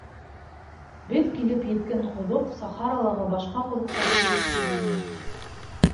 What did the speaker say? Беҙ килеп еткән ҡоҙоҡ, Сахаралағы башҡа ҡоҙоҡтар кеүек түгел ине.